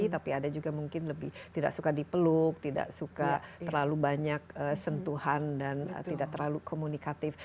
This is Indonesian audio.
tapi ada juga mungkin lebih tidak suka dipeluk tidak suka terlalu banyak sentuhan dan tidak terlalu komunikatif